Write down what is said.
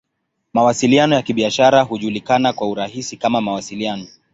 Mawasiliano ya Kibiashara hujulikana kwa urahisi kama "Mawasiliano.